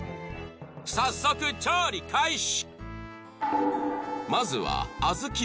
早速調理開始